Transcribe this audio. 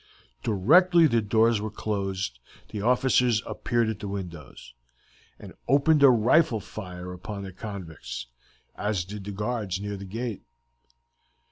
Directly the doors were closed the officers appeared at the windows, and opened a rifle fire upon the convicts, as did the guards near the gate.